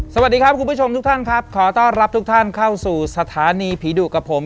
สวัสดีครับคุณผู้ชมทุกท่านครับขอต้อนรับทุกท่านเข้าสู่สถานีผีดุกับผม